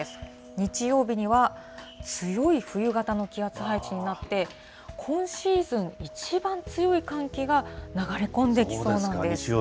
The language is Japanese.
日曜日には、強い冬型の気圧配置になって、今シーズン一番強い寒気が流れ込んできそうなんです。